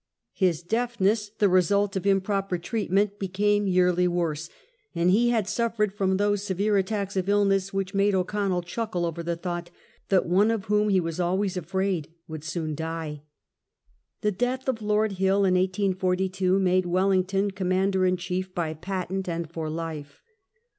His deafness, the result of improper treatment, became yearly worse, and he had suffered from those severe attacks of illness which made O'Connell chuckle over the thought that one of whom he was always afraid would soon die. The death of Lord Hill in 1842 made Wellington Commander in Chief, by patent and for life.